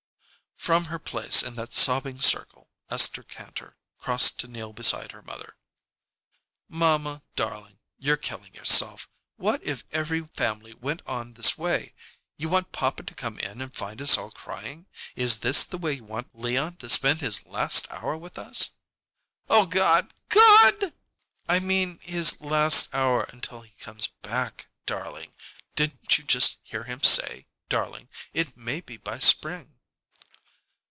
From her place in that sobbing circle Esther Kantor crossed to kneel beside her mother. "Mamma darling, you're killing yourself. What if every family went on this way? You want papa to come in and find us all crying? Is this the way you want Leon to spend his last hour with us " "Oh, God God!" "I mean his last hour until he comes back, darling. Didn't you just hear him say, darling, it may be by spring?"